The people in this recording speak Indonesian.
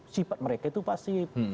sifat mereka itu pasif